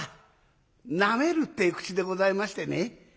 なめるってえ口でございましてね。